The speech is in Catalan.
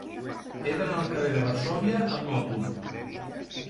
He d'anar al carrer de Varsòvia amb moto.